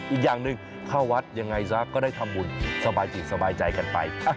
อีกอย่างหนึ่งเข้าวัดยังไงซะก็ได้ทำบุญสบายจิตสบายใจกันไป